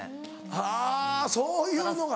はぁそういうのが。